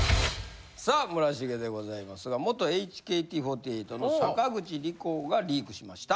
さあ村重でございますが元ＨＫＴ４８の坂口理子がリークしました。